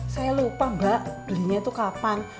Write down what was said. saya lupa mbak belinya itu kapan